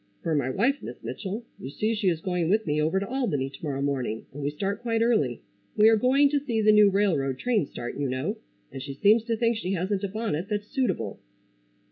"For my wife, Miss Mitchell. You see she is going with me over to Albany to morrow morning and we start quite early. We are going to see the new railroad train start, you know, and she seems to think she hasn't a bonnet that's suitable."